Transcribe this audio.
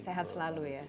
sehat selalu ya